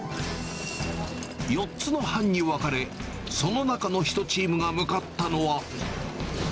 ４つの班に分かれ、その中の１チームが向かったのは。